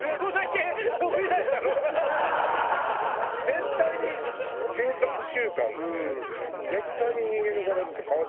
絶対に生活習慣で絶対に人間の体って変わってくると思うわよ。